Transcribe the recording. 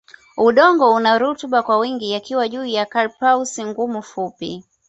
Udongo una rutuba kwa wingi yakiwa juu ya carpaous ngumu fupi